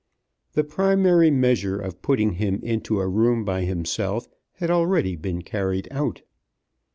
The primary measure of putting him into a room by himself had already been carried out.